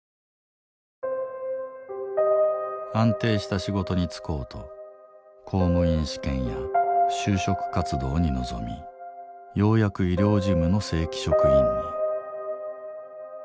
安定した仕事に就こうと公務員試験や就職活動に臨みようやく医療事務の正規職員に。